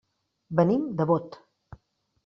Venim de Bot.